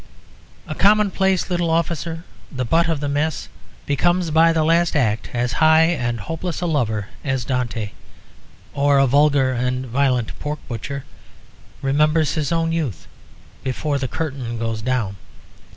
A commonplace little officer, the butt of the mess, becomes by the last act as high and hopeless a lover as Dante. Or a vulgar and violent pork butcher remembers his own youth before the curtain goes down.